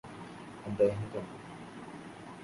അദ്ദേഹം കണ്ടു